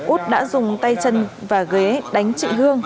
út đã dùng tay chân và ghế đánh chị hương